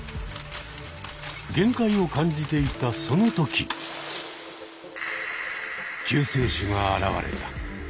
限界を感じていたその時救世主が現れた。